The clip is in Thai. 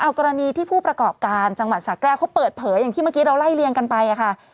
เอากรณีที่ผู้ประกอบการจังหวัดสาแก้วเขาเปิดเผยอย่างที่เมื่อกี้เราไล่เลียงกันไปค่ะ